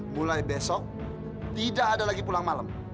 mulai besok tidak ada lagi pulang malam